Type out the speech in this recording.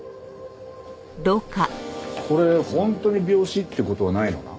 これ本当に病死って事はないのな？